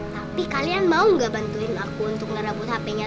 tapi kalian mau gak bantuin aku untuk ngerabut hpnya tentu ya